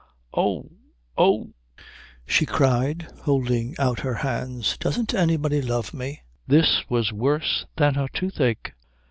"Oh, oh " she cried, holding out her hands, "doesn't anybody love me?" This was worse than her toothache.